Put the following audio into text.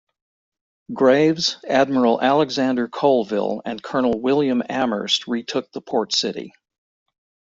Graves, Admiral Alexander Colville and Colonel William Amherst retook the port city.